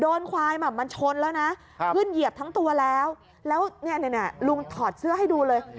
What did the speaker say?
โดนควายมันชนแล้วนะพึ่นเหยียบทั้งตัวแล้วลุงถอดเซื้อให้ดูเลย